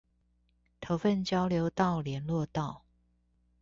頭份交流道聯絡道